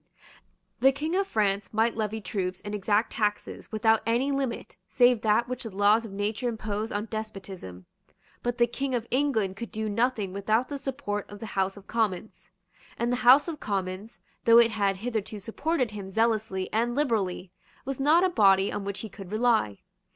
The King of France might levy troops and exact taxes without any limit save that which the laws of nature impose on despotism. But the King of England could do nothing without the support of the House of Commons; and the House of Commons, though it had hitherto supported him zealously and liberally, was not a body on which he could rely.